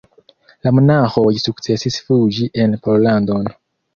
La monaĥoj sukcesis fuĝi en Pollandon.